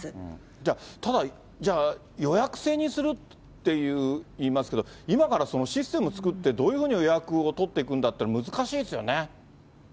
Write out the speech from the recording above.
じゃあ、ただ予約制にするって言いますけど、今からシステム作って、どういうふうに予約を取っていくんだっていうの、難しいですよね。